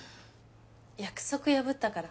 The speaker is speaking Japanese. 約束破ったから。